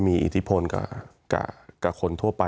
มีความรู้สึกว่ามีความรู้สึกว่า